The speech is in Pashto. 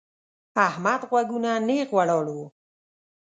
احمد غوږونه نېغ ولاړ وو.